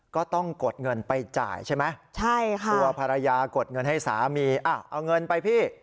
ก็ต้องกดเงินไปจ่ายใช่ไหมใช่ค่ะตัวภรรยากดเงินให้สามีเอาเงินไปพี่